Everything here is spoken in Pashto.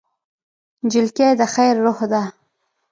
نجلۍ د خیر روح ده.